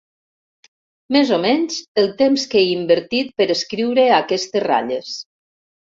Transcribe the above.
Més o menys el temps que he invertit per escriure aquestes ratlles.